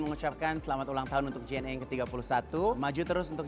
mengucapkan selamat ulang tahun untuk jna yang ke tiga puluh satu maju terus untuk